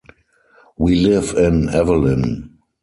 We live in Evelyn.